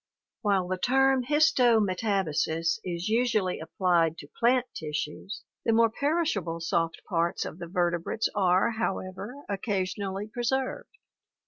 While the term his tome tab asis is usually applied to plant tissues, the more perishable soft parts of the vertebrates are, however, occasionally preserved.